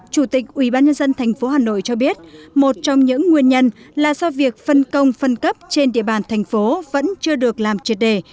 chủ tịch ubnd tp hà nội cho biết một trong những nguyên nhân là do việc phân công phân cấp trên địa bàn thành phố vẫn chưa được làm triệt đề